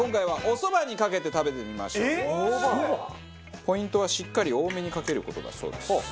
ポイントはしっかり多めにかける事だそうです。